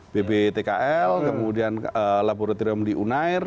bbtkl kemudian laboratorium di unair